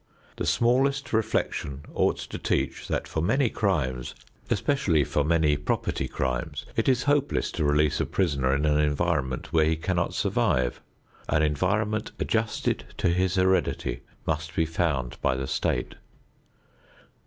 The smallest reflection ought to teach that for many crimes, especially for many property crimes, it is hopeless to release a prisoner in an environment where he cannot survive. An environment adjusted to his heredity must be found by the state.